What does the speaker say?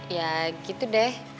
ya gitu deh